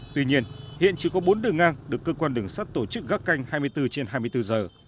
tuy nhiên hiện chỉ có bốn đường ngang được cơ quan đường sắt tổ chức gác canh hai mươi bốn trên hai mươi bốn giờ